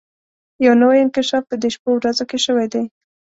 يو نوی انکشاف په دې شپو ورځو کې شوی دی.